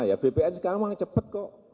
ya bpn sekarang cepat kok